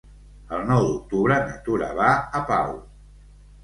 El nou d'octubre na Tura va a Pau.